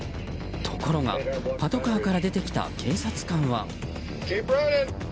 ところがパトカーから出てきた警察官は。